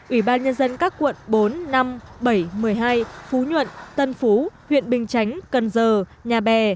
ubnd các quận bốn năm bảy một mươi hai phú nhuận tân phú huyện bình chánh cần giờ nhà bè